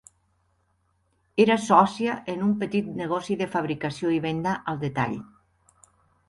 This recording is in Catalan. Era sòcia en un petit negoci de fabricació i venda al detall.